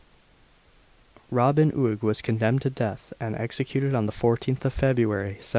Robin Oig was condemned to death, and executed on the 14th February 1754.